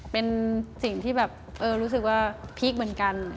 เป็นสิ่งที่แบบรู้สึกว่าพีคเหมือนกัน